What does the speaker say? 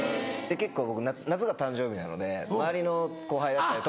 結構僕夏が誕生日なので周りの後輩だったり友達が。